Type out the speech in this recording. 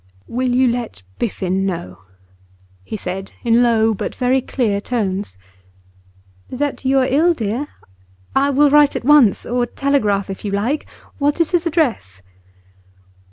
'Will you let Biffen know?' he said in low but very clear tones. 'That you are ill dear? I will write at once, or telegraph, if you like. What is his address?